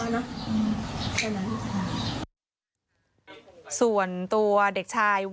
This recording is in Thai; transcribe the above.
แล้วตอนนี้ศาลให้ประกันตัวออกมาแล้ว